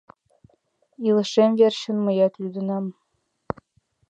Илышем верчын мыят лӱдынам...